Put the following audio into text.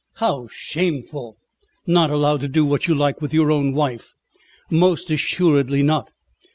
"How shameful! Not allowed to do what you like with your own wife!" "Most assuredly not.